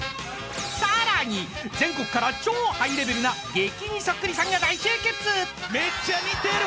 ［さらに全国から超ハイレベルな激似そっくりさんが大集結］